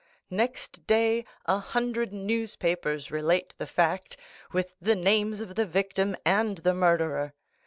Next day a hundred newspapers relate the fact, with the names of the victim and the murderer.